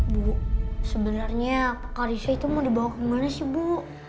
bu sebenarnya kalisu itu mau dibawa kemana sih bu